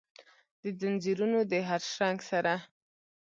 دځنځیرونو د هرشرنګ سره،